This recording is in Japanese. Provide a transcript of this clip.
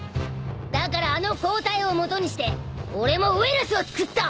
だからあの抗体をもとにして俺もウイルスを作った。